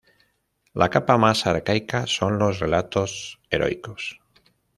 La capa más arcaica, son los relatos heroicos.